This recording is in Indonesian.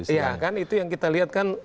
iya kan itu yang kita lihat kan